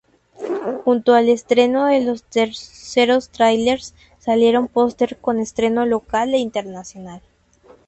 Junto al estreno de los terceros tráilers salieron pósters con estreno local e internacional.